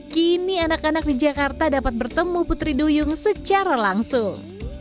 kini anak anak di jakarta dapat bertemu putri duyung secara langsung